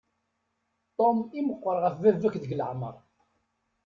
Tom i meqqer ɣef baba-k deg leεmer.